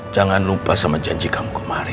jangan lupa sama janji kamu kemarin